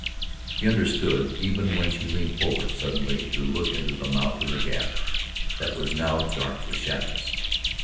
He understood, even when she leaned forward suddenly to look into the mouth of the gap, that was now dark with shadows.